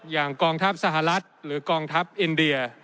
กองทัพสหรัฐหรือกองทัพอินเดีย